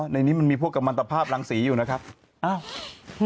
ในนี้มันมีพวกกำมันตภาพรังสีอยู่นะครับ